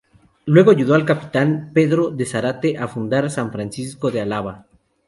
Luego ayudó al capitán Pedro de Zárate a fundar San Francisco de Alava.